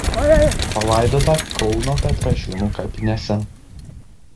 Palaidota Kauno Petrašiūnų kapinėse.